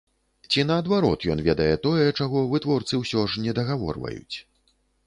Ці наадварот, ён ведае тое, чаго вытворцы ўсё ж недагаворваюць?